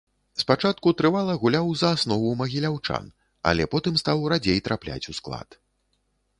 Спачатку трывала гуляў за аснову магіляўчан, але потым стаў радзей трапляць у склад.